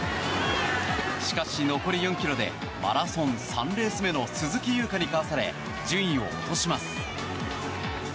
しかし、残り４ｋｍでマラソン３レース目の鈴木優花にかわされ順位を落とします。